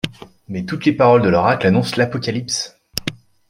Mais toutes les paroles de l'oracle annoncent l'Apocalypse.